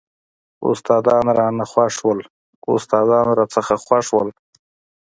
استادان رانه خوښ وو.